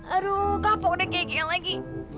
aduh kakak udah kegel lagi